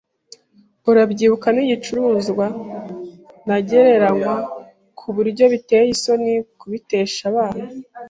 Urubyiruko nigicuruzwa ntagereranywa kuburyo biteye isoni kubitesha abana.